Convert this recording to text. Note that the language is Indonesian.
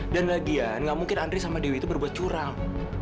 dan lagian gak mungkin andri sama dewi itu berbuat curang